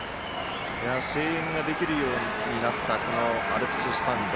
声援ができるようになったこのアルプススタンド。